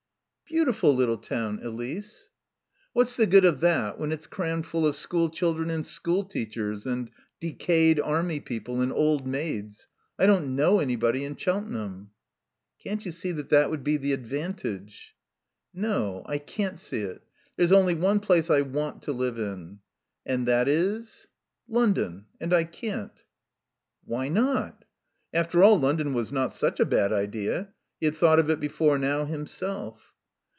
"Beautiful little town, Elise." "What's the good of that when it's crammed full of school children and school teachers, and decayed army people and old maids? I don't know anybody in Cheltenham." "Can't you see that that would be the advantage?" "No. I can't see it. There's only one place I want to live in." "And that is ?" "London. And I can't." "Why not?" After all, London was not such a bad idea. He had thought of it before now himself.